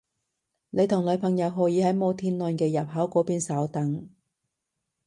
你同女朋友可以喺摩天輪嘅入口嗰邊稍等